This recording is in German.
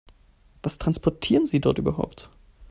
Was transportieren Sie dort überhaupt?